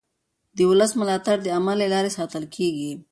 د ولس ملاتړ د عمل له لارې ساتل کېږي